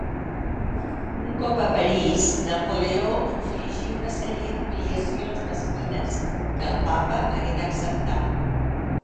Un cop a París, Napoleó infligí una sèrie d'humiliacions mesquines, que el Papa hagué d'acceptar.